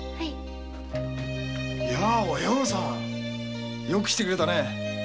やあお葉さんよく来てくれたね。